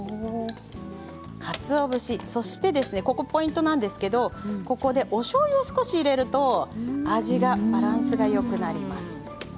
かつお節、そしてポイントなんですけれどここでおしょうゆを少し入れると味がバランスがよくなります。